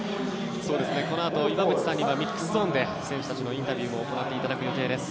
このあと岩渕さんにはミックスゾーンで選手たちのインタビューも行っていただく予定です。